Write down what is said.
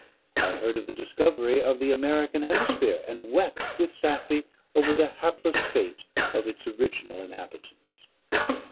I heard of the discovery of the American hemisphere, and wept with Safie over the hapless fate of its original inhabitants.